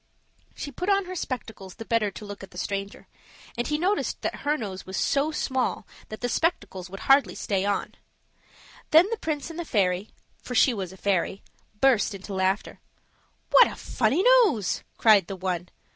She put on her spectacles the better to look at the stranger, and he noticed that her nose was so small that the spectacles would hardly stay on; then the prince and the fairy for she was a fairy burst into laughter. "What a funny nose!" cried the one.